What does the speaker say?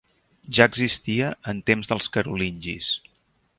Ja existia en temps dels carolingis.